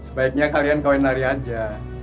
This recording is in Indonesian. sebaiknya kalian kawin lari aja